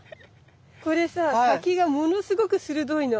これさ先がものすごく鋭いの。